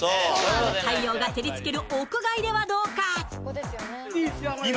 太陽が照りつける屋外ではどうか？